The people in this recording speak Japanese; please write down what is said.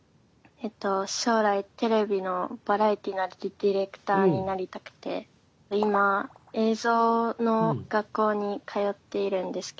えっと将来テレビのバラエティーのディレクターになりたくて今映像の学校に通っているんですけど。